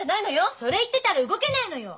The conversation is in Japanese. それ言ってたら動けないのよ！